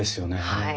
はい。